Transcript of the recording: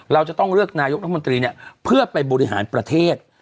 เราจะต้องเลือกนายกรัฐมนตรีเนี่ยเพื่อไปบริหารประเทศ